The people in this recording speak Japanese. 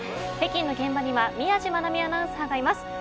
北京の現場には宮司愛海アナウンサーがいます。